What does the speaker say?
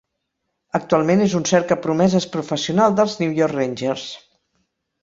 Actualment és un cercapromeses professional dels New York Rangers.